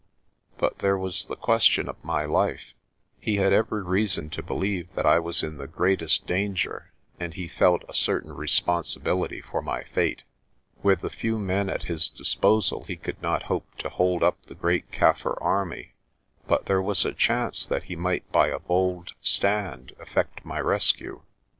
But there was the question of my life. He had every rea son to believe that I was in the greatest danger and he felt a certain responsibility for my fate. With the few men at his disposal he could not hope to hold up the great Kaffir army but there was a chance that he might by a bold stand effect my rescue.